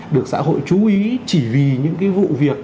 được xã hội chú ý chỉ vì những cái vụ việc